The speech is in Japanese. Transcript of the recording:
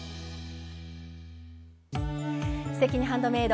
「すてきにハンドメイド」